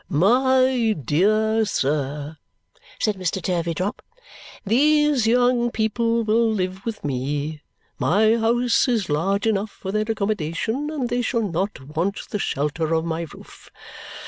"My dear sir," said Mr. Turveydrop, "these young people will live with me; my house is large enough for their accommodation, and they shall not want the shelter of my roof.